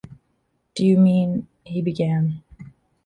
“Do you mean —?” he began.